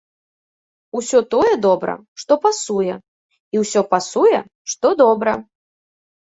Усё тое добра, што пасуе, і ўсё пасуе, што добра!